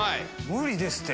無理ですて。